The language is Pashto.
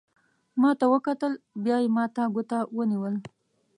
ما ته وکتل، بیا یې ما ته ګوته ونیول.